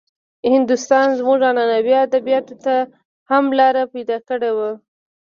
هندوستان زموږ عنعنوي ادبياتو ته هم لاره پيدا کړې وه.